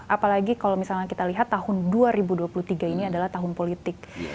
apalagi kalau misalnya kita lihat tahun dua ribu dua puluh tiga ini adalah tahun politik